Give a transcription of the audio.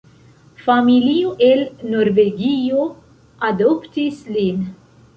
Familio el Norvegio adoptis lin.